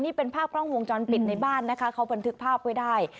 นี่เป็นภาพกล้องวงจรปิดในบ้านนะคะเขาบันทึกภาพไว้ได้